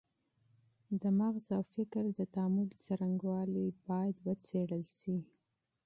د مغز او فکر د تعامل څرنګوالی باید وڅېړل سي.